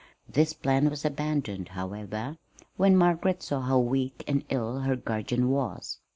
This plan was abandoned, however, when Margaret saw how weak and ill her guardian was.